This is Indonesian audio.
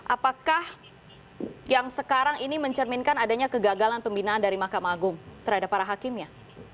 apakah yang sekarang ini mencerminkan adanya kegagalan pembinaan dari mahkamah agung terhadap para hakimnya